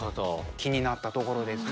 気になったところですね。